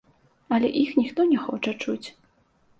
Але іх ніхто не хоча чуць.